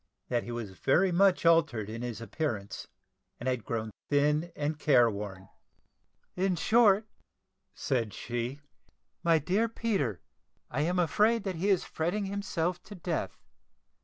That he was very much altered in his appearance, and had grown thin and care worn. "In short," said she, "my dear Peter, I am afraid that he is fretting himself to death.